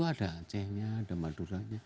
ada acehnya ada maduranya